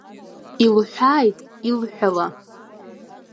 Илҳәалааит, илҳәала.